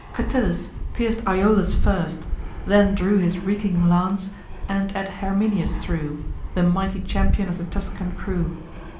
Catillus pierc'd Iolas first; then drew His reeking lance, and at Herminius threw, The mighty champion of the Tuscan crew.